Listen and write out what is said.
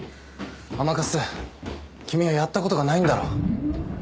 甘春君はやったことがないんだろ？